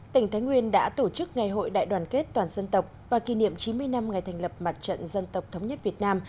tỉnh thái nguyên đã tổ chức ngày hội đại đoàn kết toàn dân tộc và kỷ niệm chín mươi năm ngày thành lập mặt trận dân tộc thống nhất việt nam